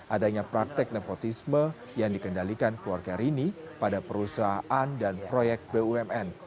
adanya praktek nepotisme yang dikendalikan keluarga rini pada perusahaan dan proyek bumn